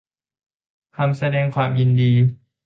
คำแสดงความยินดี